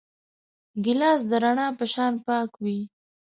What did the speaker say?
ګیلاس د رڼا په شان پاک وي.